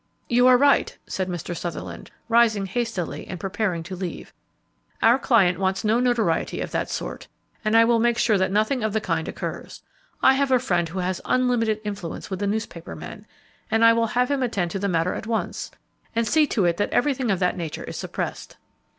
"You are right," said Mr. Sutherland, rising hastily and preparing to leave; "our client wants no notoriety of that sort; and I will make sure that nothing of the kind occurs. I have a friend who has unlimited influence with the newspaper men, and I will have him attend to the matter at once, and see to it that everything of that nature is suppressed."